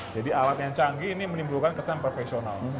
jadi alat yang canggih ini menimbulkan kesan profesional